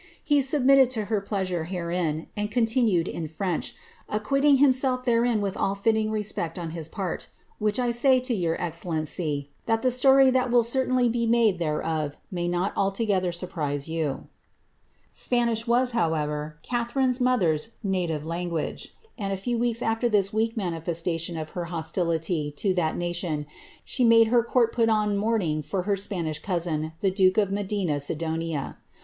hn siibmittcil tf» her plfa>iiri' herein, nntl cimtiiiutMl it in French, act^Qiniof hiin'«olf thrrrin with ul! littin}: respcot oji hi« i)art ; vliich I say to your excel leiH y, that the story that will certainly he niarlt' thenK)f may not altc^ether sur* |»rise you."" Si)ani!<li was, however, Catharine's mother^s native languai^, and, a few weeks after this weak manifestiition of her hostility to that nation, she made her court put on mourning for her Spanish cousin, the duke of Medina Sidonia.'